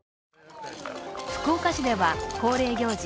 福岡市では恒例行事